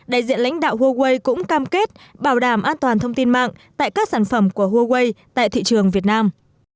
đại diện lãnh đạo huawei cũng cam kết bảo đảm an toàn thông tin mạng tại các sản phẩm của huawei tại thị trường việt nam